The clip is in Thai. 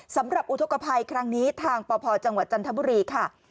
อุทธกภัยครั้งนี้ทางปพจังหวัดจันทบุรีค่ะ